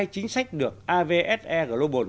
chính sách được avse global